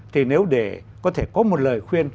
thì nếu để có thể có một lời khuyên